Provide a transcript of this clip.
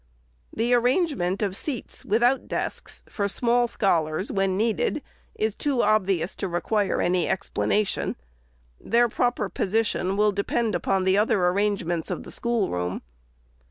The arrangement of seats without desks, for small scholars, when needed, is too obvious to require any expla nation. Their proper position will depend upon the other arrangements of the schoolroom.